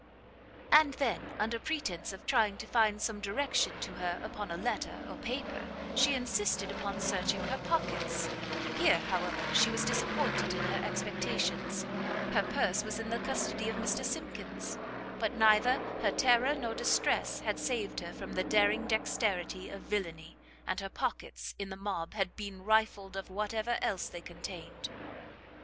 And then, under pretence of trying to find some direction to her upon a letter, or paper, she insisted upon searching her pockets: here, however, she was disappointed in her expectations: her purse was in the custody of Mr Simkins, but neither her terror nor distress had saved her from the daring dexterity of villainy, and her pockets, in the mob, had been rifled of whatever else they contained.